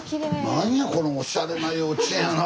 なんやこのおしゃれな幼稚園やな